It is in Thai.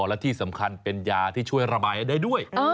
และที่สำคัญเป็นยาที่ช่วยระบายให้ได้ด้วย